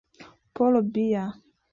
Paul Biya